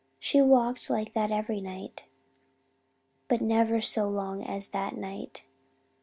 She walked like that every night. But never so long as that night.